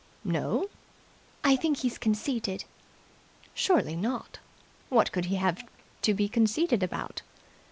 "No!" "I think he's conceited." "Surely not? What could he have to be conceited about?"